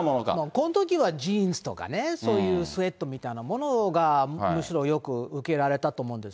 このときはジーンズとか、そういうスエットみたいなものが、むしろよく受けられたと思うんです。